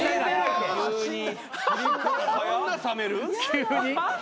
急に？